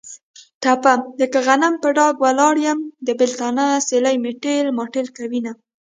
ټپه: لکه غنم په ډاګ ولاړ یم. د بېلتانه سیلۍ مې تېل ماټېل کوینه.